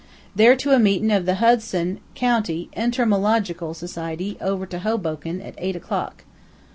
They're to a meetin' of the Hudson County Enter mo logical Society, over to Hoboken, at eight o'clock.'